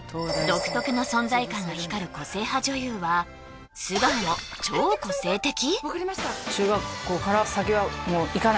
独特の存在感が光る個性派女優は素顔も超個性的！？